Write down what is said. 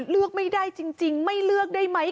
เลือกไม่ได้จริงไม่เลือกได้ไหม